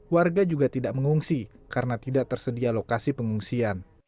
warga juga tidak mengungsi karena tidak tersedia lokasi pengungsian